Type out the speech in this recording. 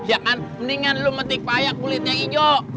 ya kan mendingan lu metik payak kulitnya hijau